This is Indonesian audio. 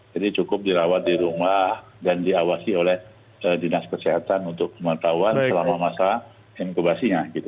jadi cukup dirawat di rumah dan diawasi oleh dinas kesehatan untuk pemerintah selama masa inkubasinya